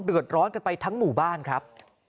เดือดร้อนกันไปทั้งหมู่บ้านครับ